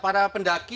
ya para pendaki